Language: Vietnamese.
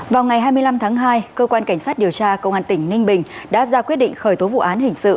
vào ngày hai mươi năm tháng hai cơ quan cảnh sát điều tra công an tỉnh ninh bình đã ra quyết định khởi tố vụ án hình sự